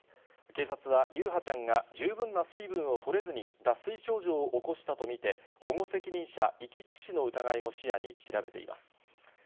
警察は優陽ちゃんが十分な水分をとれずに脱水症状を起こしたと見て保護責任者遺棄致死の疑いも視野に調べています。